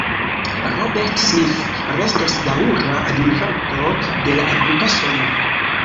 Robert Smith restos daŭra admiranto de la grupa sono.